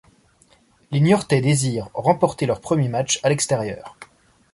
Les niortais désirent remporter leur premier match à l'extérieur.